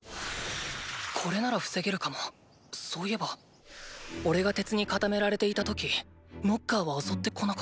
これなら防げるかもそういえばおれが鉄に固められていた時ノッカーは襲ってこなかった。